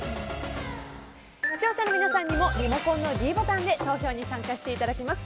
視聴者の皆さんにもリモコンのｄボタンで投票に参加していただきます。